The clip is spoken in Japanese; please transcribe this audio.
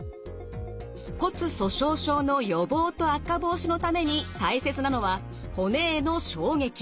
骨粗しょう症の予防と悪化防止のために大切なのは骨への衝撃。